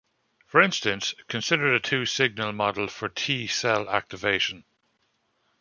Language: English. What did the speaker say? For instance, consider the two signal model for T cell activation.